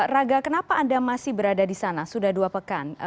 raga kenapa anda masih berada di sana sudah dua pekan